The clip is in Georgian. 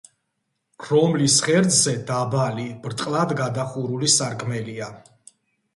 რომლის ღერძზე დაბალი, ბრტყლად გადახურული სარკმელია.